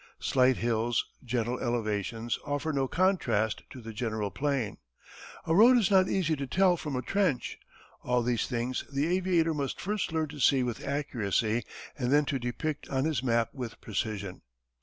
Slight hills, gentle elevations, offer no contrast to the general plain. A road is not easy to tell from a trench. All these things the aviator must first learn to see with accuracy, and then to depict on his map with precision.